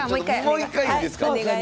もう一回いいですか？